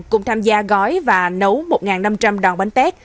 cùng tham gia gói và nấu một năm trăm linh đòn bánh tét